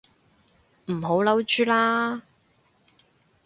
唔好嬲豬啦